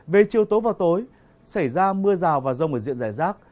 về chiều tối vào tối xảy ra mưa rào và rông ở diện dài rác